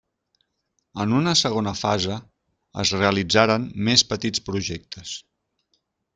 En una segona fase, es realitzaren més petits projectes.